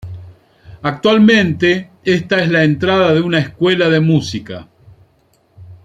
Actualmente, esta es la entrada de una escuela de música.